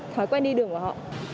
thói quen đi đường của họ